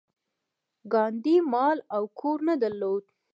ګاندي مال او کور نه درلود.